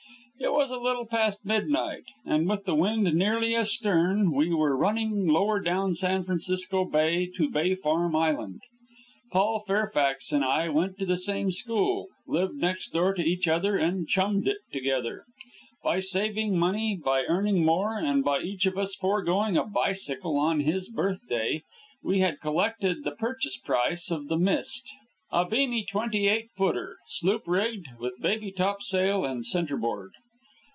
It was a little past midnight, and, with the wind nearly astern, we were running down Lower San Francisco Bay to Bay Farm Island. Paul Fairfax and I went to the same school, lived next door to each other, and "chummed it" together. By saving money, by earning more, and by each of us foregoing a bicycle on his birthday, we had collected the purchase price of the Mist, a beamy twenty eight footer, sloop rigged, with baby topsail and centerboard.